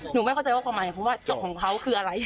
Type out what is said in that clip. ไม่เข้าใจว่าเขามาเพราะว่าจกของเขาคืออะไร